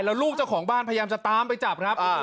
แล้วลูกเจ้าของบ้านพยายามจะตามไปจับครับ